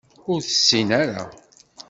Ur tessin ara.